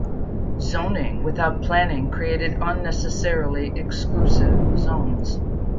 Zoning without planning created unnecessarily exclusive zones.